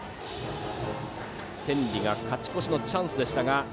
天理が勝ち越しのチャンスでした。